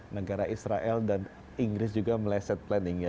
negara israel dan inggris juga meleset planningnya